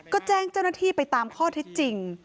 ก็แจ้งเจ้าหน้าที่ไปตามข้อเท็จจริง